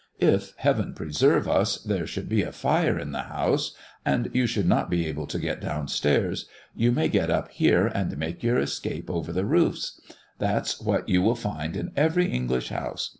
"If heaven preserve us there should be a fire in the house, and if you should not be able to get down stairs, you may get up here and make your escape over the roofs. That's what you will find in every English house.